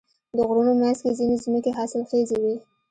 د غرونو منځ کې ځینې ځمکې حاصلخیزې وي.